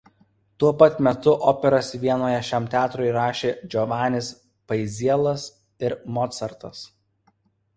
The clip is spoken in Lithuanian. Tuo pat metu operas Vienoje šiam teatrui rašė Džovanis Paizielas ir Mocartas.